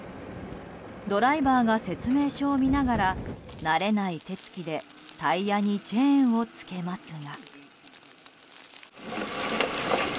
ドライバーが説明書を見ながら慣れない手つきでタイヤにチェーンをつけますが。